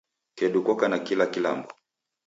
Kedu koka na kila kilambo